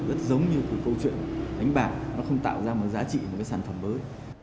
rất giống như cái câu chuyện đánh bạc nó không tạo ra một giá trị một cái sản phẩm mới